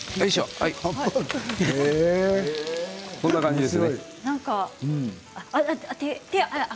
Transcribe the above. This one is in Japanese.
こんな感じです。